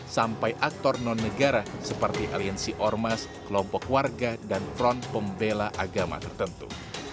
sampai aktor non negara seperti aliansi ormas kelompok warga dan front pembela agama tertentu